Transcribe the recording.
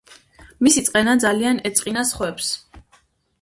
მისი წყენა ძალიან ეწყინა სხვებს